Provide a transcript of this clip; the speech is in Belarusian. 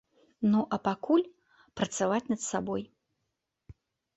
Ну, а пакуль працаваць над сабой.